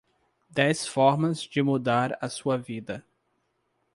Dez formas de mudar a sua vida